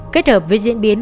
kết hợp với diễn biến